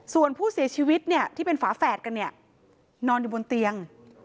ส่วนผู้เสียชีวิตที่เป็นฝาแฝดกันนอนอยู่บนเตียง